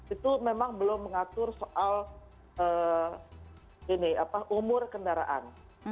itu memang belum mengatur soal umur kendaraan